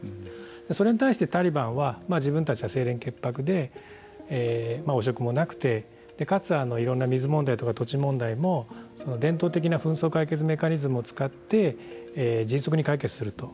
それに対してタリバンは自分たちは清廉潔白で汚職もなくてかついろんな水問題とか土地問題も伝統的な紛争解決メカニズムを使って迅速に解決すると。